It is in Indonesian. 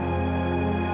gak ada apa apa